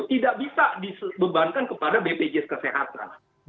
tidak bisa dibebankan kepada bpjs kesehatan